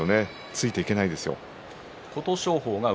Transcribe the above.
ついていけないですよ。